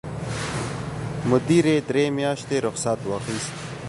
مدیرې درې میاشتې رخصت واخیست.